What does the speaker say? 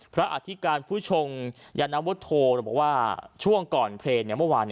อธิการผู้ชงยานวุฒโธบอกว่าช่วงก่อนเพลงเมื่อวาน